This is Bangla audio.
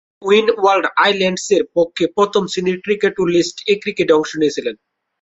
উইন্ডওয়ার্ড আইল্যান্ডসের পক্ষে প্রথম-শ্রেণীর ক্রিকেট ও লিস্ট এ ক্রিকেটে অংশ নিয়েছেন।